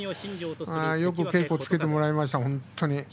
よく稽古をつけてもらいました本当に。